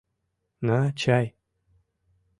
— «На чай!